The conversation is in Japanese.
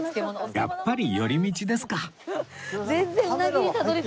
やっぱり寄り道ですか